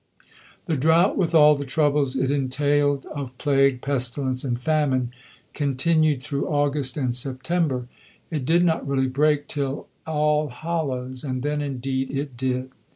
The drought, with all the troubles it entailed of plague, pestilence and famine, continued through August and September. It did not really break till All Hallow's, and then, indeed, it did.